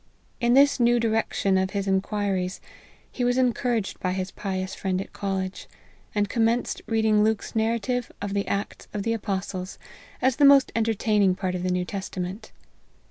In this new direction of his inquiries he was encouraged by his pious friend at college, and commenced reading Luke's narrative of the Acts of the Apostles, as the most entertaining part of the New Testa ment.